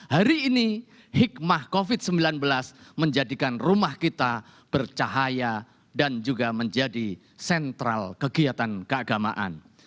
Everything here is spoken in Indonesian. hari ini hikmah covid sembilan belas menjadikan rumah kita bercahaya dan juga menjadi sentral kegiatan keagamaan